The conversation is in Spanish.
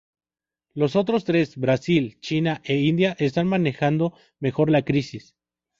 Los otros tres, Brasil, China e India, están manejando mejor la crisis.